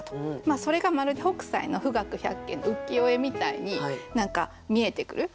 それがまるで北斎の「富嶽百景」の浮世絵みたいに見えてくる。